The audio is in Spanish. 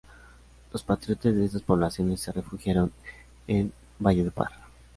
Los patriotas de estas poblaciones se refugiaron en Valledupar.